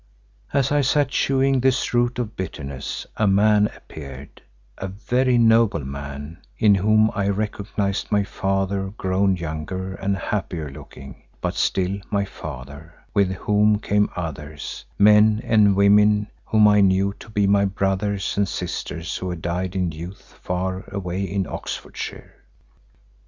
As I sat chewing this root of bitterness, a man appeared, a very noble man, in whom I recognised my father grown younger and happier looking, but still my father, with whom came others, men and women whom I knew to be my brothers and sisters who had died in youth far away in Oxfordshire.